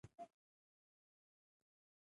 دښته د زړه او روح یووالي ته لاره پرانیزي.